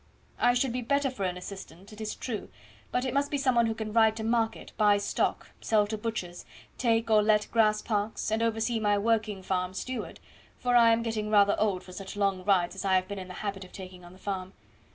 I should be better for an assistant, it is true, but it must be some one who can ride to market, buy stock, sell to butchers, take or let grass parks, and oversee my working farm steward, for I am getting rather old for such long rides as I have been in the habit of taking on the farm.